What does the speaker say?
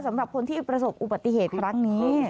สำหรับคนที่ประสบอุบัติเหตุครั้งนี้